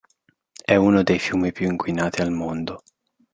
È uno dei fiumi più inquinati al mondo.